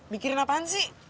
mikirin apaan sih